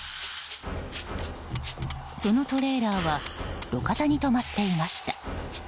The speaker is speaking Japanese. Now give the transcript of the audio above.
そのトレーラーは路肩に止まっていました。